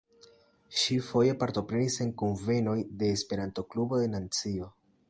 Ŝi foje partoprenis en kunvenoj de la Esperanto-Klubo de Nancio.